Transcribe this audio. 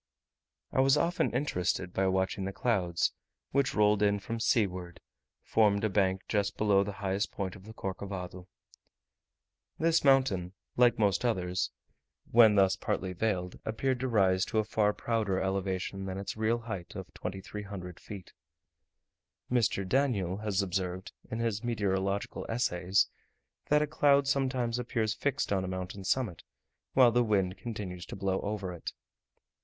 I was often interested by watching the clouds, which, rolling in from seaward, formed a bank just beneath the highest point of the Corcovado. This mountain, like most others, when thus partly veiled, appeared to rise to a far prouder elevation than its real height of 2300 feet. Mr. Daniell has observed, in his meteorological essays, that a cloud sometimes appears fixed on a mountain summit, while the wind continues to blow over it.